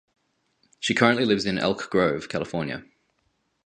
She currently lives in Elk Grove, California.